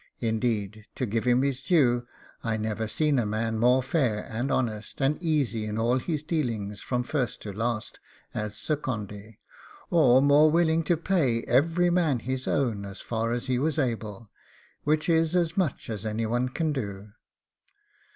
Indeed, to give him his due, I never seen a man more fair and honest, and easy in all his dealings, from first to last, as Sir Condy, or more willing to pay every man his own as far as he was able, which is as much as any one can do.